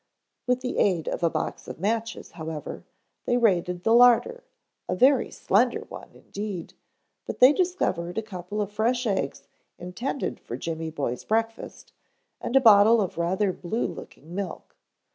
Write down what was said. With the aid of a box of matches, however, they raided the larder, a very slender one, indeed, but they discovered a couple of fresh eggs intended for Jimmy boy's breakfast, and a bottle of rather blue looking milk.